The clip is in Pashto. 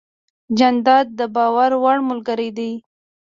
جانداد د باور وړ ملګری دی.